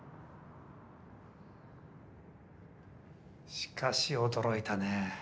しかし驚いたね。